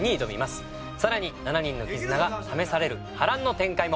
さらに７人の絆が試される波乱の展開も！